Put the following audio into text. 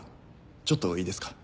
ちょっといいですか？